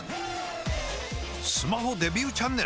スマホデビューチャンネル！？